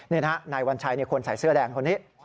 นี่นะฮะนายวัญชัยคนใส่เสื้อแดงคนนี้